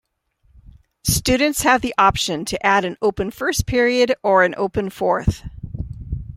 Students have the option to add an open first period or an open fourth.